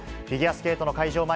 フィギュアスケートの会場